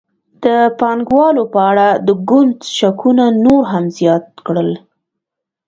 د پانګوالو په اړه د ګوند شکونه نور هم زیات کړل.